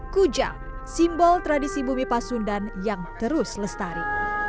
kujang simbol tradisi bumi pasundan yang terus lestari